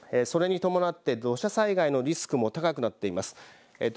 それに伴って土砂災害のリスクも高くなっています。